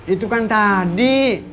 itu kan tadi